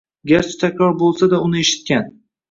garchi takror bo‘lsa-da, uni eshitgan